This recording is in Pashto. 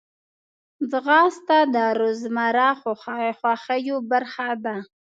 ځغاسته د روزمره خوښیو برخه ده